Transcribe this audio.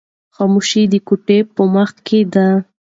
خاموشي د کوټې په منځ کې ده.